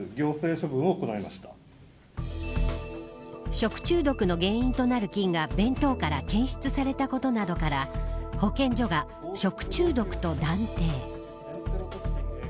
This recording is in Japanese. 食中毒の原因となる菌が弁当から検出されたことなどから保健所が、食中毒と断定。